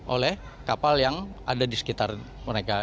oleh kapal yang ada di sekitar mereka